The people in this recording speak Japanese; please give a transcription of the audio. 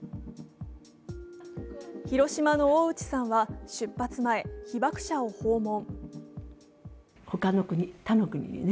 広島の大内さんは、出発前、被爆者を訪問。